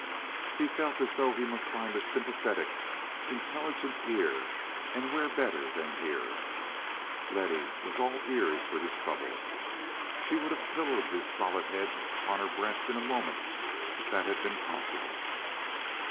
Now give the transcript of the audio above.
He felt as though he must find a sympathetic, intelligent ear, and where better than here? Letty was all ears for his troubles. She would have pillowed his solid head upon her breast in a moment if that had been possible.